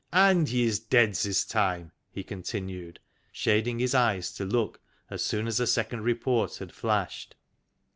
And he is dead this time," he continued, shading his eyes to look, as soon as a second report had flashed.